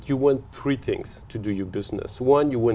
sử dụng tiền điện thoại